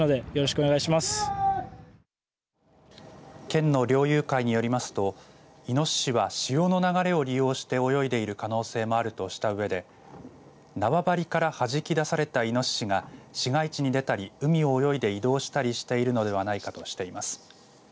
県の猟友会によりますといのししは潮の流れを利用して泳いでいる可能性もあるとしたうえで縄張りからはじき出されたいのししが市街地に出たり海を泳いで移動したりしているのではないかとしています。